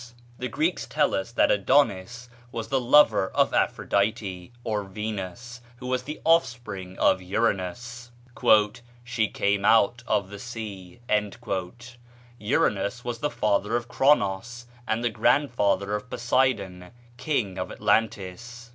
The Greeks tell us that Adonis was the lover of Aphrodite, or Venus, who was the offspring of Uranus "she came out of the sea;" Uranus was the father of Chronos, and the grandfather of Poseidon, king of Atlantis.